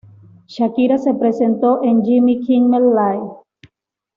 Shakira se presentó en "Jimmy Kimmel Live!